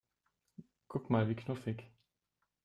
Guck mal, wie knuffig!